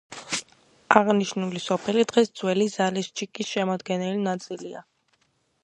აღნიშნული სოფელი დღეს ძველი ზალეშჩიკის შემადგენელი ნაწილია.